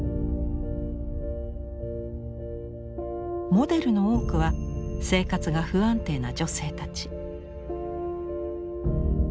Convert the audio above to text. モデルの多くは生活が不安定な女性たち。